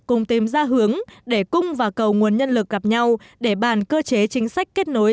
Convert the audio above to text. cùng tìm ra hướng để cung và cầu nguồn nhân lực gặp nhau để bàn cơ chế chính sách kết nối